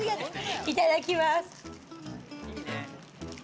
いただきます。